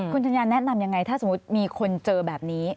คุณธัญญาแนะนำยังไงถ้าสมมุติมีคนเจอแบบนี้